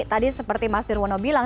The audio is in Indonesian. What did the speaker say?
tadi seperti mas nirwono bilang